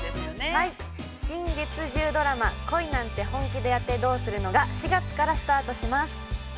◆新・月１０ドラマ「恋なんて、本気でやってどうするの？」が４月からスタートします。